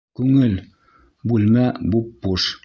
Күңел, бүлмә буп-буш!